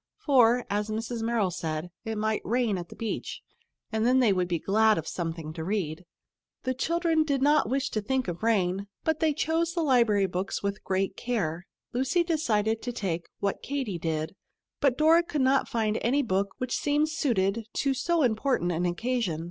For, as Mrs. Merrill said, it might rain at the beach, and then they would be glad of something to read. The children did not wish to think of rain, but they chose the library books with great care. Lucy decided to take "What Katy Did," but Dora could not find any book which seemed suited to so important an occasion.